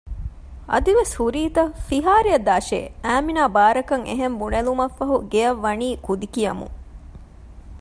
އަދިވެސް ހުރީތަ؟ ފިހާރައަށް ދާށޭ! އާމިނާ ބާރަކަށް އެހެން ބުނެލުމަށްފަހު ގެއަށް ވަނީ ކުދި ކިޔަމުން